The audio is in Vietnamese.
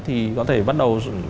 thì có thể bắt đầu